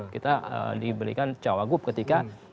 kita diberikan cawagup ketika